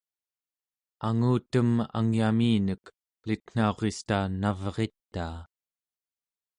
angutem angyaminek elitnaurista navritaa